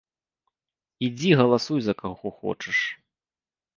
Ідзі галасуй за каго хочаш.